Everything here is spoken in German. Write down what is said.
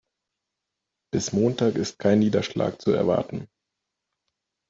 Bis Montag ist kein Niederschlag zu erwarten.